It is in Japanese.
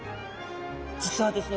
実はですね